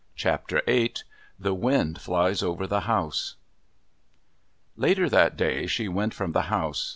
Chapter VIII The Wind Flies Over the House Later, that day, she went from the house.